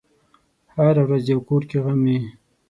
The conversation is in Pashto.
هره ورځ یو کور کې غم وي.